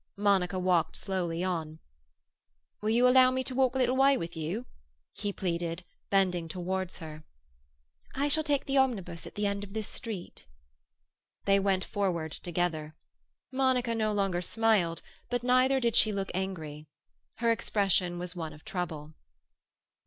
Monica walked slowly on. "Will you allow me to walk a little way with you?" he pleaded, bending towards her. "I shall take the omnibus at the end of this street." They went forward together. Monica no longer smiled, but neither did she look angry. Her expression was one of trouble.